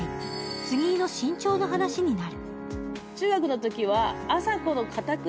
杉井の身長の話になる。